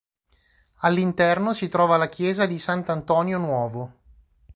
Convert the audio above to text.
All'interno si trova la chiesa di Sant'Antonio Nuovo.